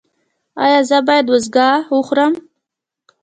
ایا زه باید وازګه وخورم؟